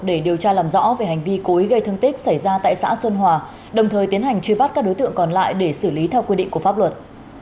để điều tra làm rõ về hành vi cố ý gây thương tích xảy ra tại xã xuân hòa đồng thời tiến hành truy bắt các đối tượng còn lại để xử lý theo quy định của pháp luật